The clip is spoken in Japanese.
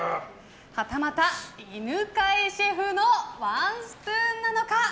はたまた、犬飼シェフのワンスプーンなのか。